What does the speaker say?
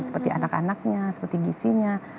seperti anak anaknya seperti gisinya